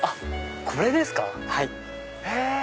これですか！